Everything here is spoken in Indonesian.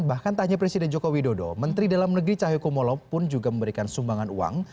bahkan tanya presiden joko widodo menteri dalam negeri cahayu kumolo pun juga memberikan sumbangan uang